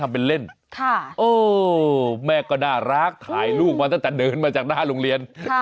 เป็นเล่นแม่ก็น่ารักถ่ายลูกมาตั้งแต่เดินมาจากหน้าโรงเรียน